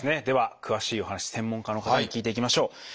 では詳しいお話専門家の方に聞いていきましょう。